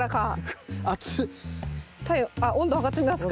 温度測ってみますか。